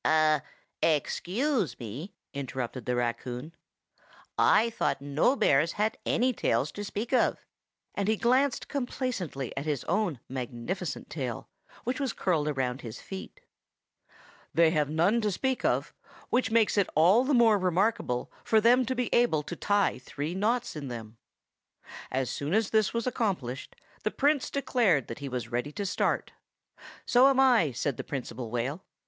"A—_ex_cuse me!" interrupted the raccoon, "I thought no bears had any tails to speak of;" and he glanced complacently at his own magnificent tail, which was curled round his feet. "He sailed away for the Southern seas." They have none to speak of; which makes it all the more remarkable for them to be able to tie three knots in them. As soon as this was accomplished, the Prince declared that he was ready to start. "So am I," said the Principal Whale.